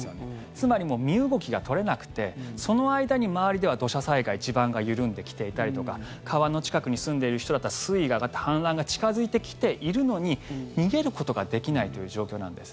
つまり、もう身動きが取れなくてその間に周りでは土砂災害地盤が緩んできていたりとか川の近くに住んでいる人だったら水位が上がって氾濫が近付いてきているのに逃げることができないという状況なんです。